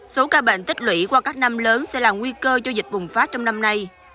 số ca bệnh tích lũy qua các năm lớn sẽ là nguy cơ cho dịch bùng phát trong năm nay